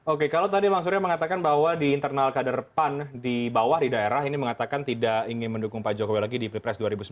oke kalau tadi bang surya mengatakan bahwa di internal kader pan di bawah di daerah ini mengatakan tidak ingin mendukung pak jokowi lagi di pilpres dua ribu sembilan belas